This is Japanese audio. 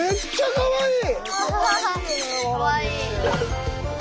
かわいい。